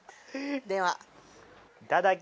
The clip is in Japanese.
では。